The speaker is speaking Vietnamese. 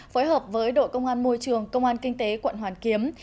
phối hợp với đội công an môi trường công an kinh tế quận hoàn kiếm